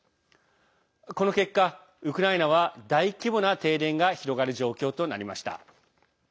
この結果、ウクライナは大規模な停電が広がる状況となりました。